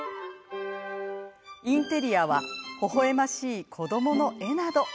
インテリアはほほえましい子どもの絵など。